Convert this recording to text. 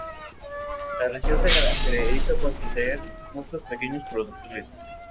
La región se caracteriza por poseer muchos pequeños productores.